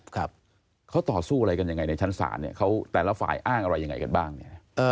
ครับเขาต่อสู้อะไรกันยังไงในชั้นศาลเนี่ยเขาแต่ละฝ่ายอ้างอะไรยังไงกันบ้างเนี่ย